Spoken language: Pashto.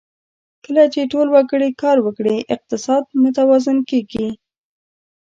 کله چې ټول وګړي کار وکړي، اقتصاد متوازن کېږي.